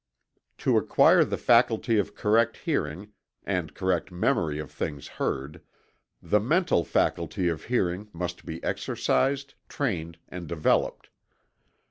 To acquire the faculty of correct hearing, and correct memory of things heard, the mental faculty of hearing must be exercised, trained and developed.